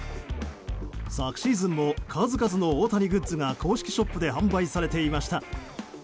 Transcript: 昨シーズンも数々の大谷グッズが公式ショップで販売されていました。